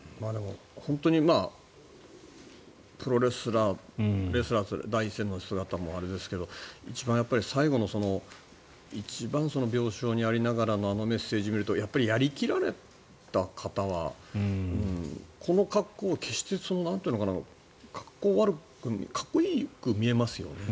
本当に、プロレスラー第一線の姿もあれですが最後の病床にありながらのあのメッセージを見るとやっぱり、やり切られた方はこの格好を、決してかっこ悪くかっこよく見えますよね。